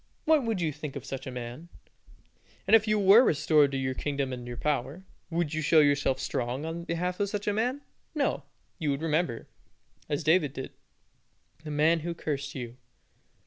What would you think of such a man? And if you were restored to your kingdom and power, would you show yourself strong on behalf of such a man? No; you would remember, as David did, the man who cursed you.